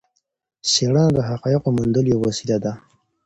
څېړنه د حقایقو موندلو یوه وسيله ده.